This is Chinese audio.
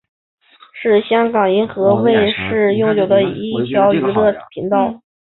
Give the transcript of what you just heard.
是香港银河卫视拥有的一条娱乐频道。